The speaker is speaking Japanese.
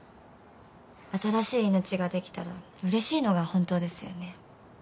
新しい命ができたらうれしいのが本当ですよね。